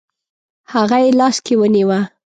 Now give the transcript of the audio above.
هغه یې لاس کې ونیوه.